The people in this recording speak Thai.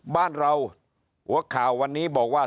บ้านเราหัวข่าววันนี้บอกว่า